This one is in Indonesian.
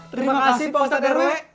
terima kasih pak ustadz rw